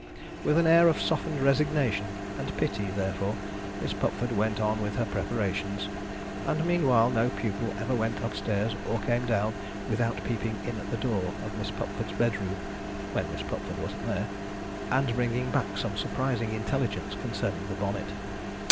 With an air of softened resignation and pity, therefore, Miss Pupford went on with her preparations: and meanwhile no pupil ever went up stairs, or came down, without peeping in at the door of Miss Pupford's bedroom (when Miss Pupford wasn't there), and bringing back some surprising intelligence concerning the bonnet.